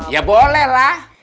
ya boleh lah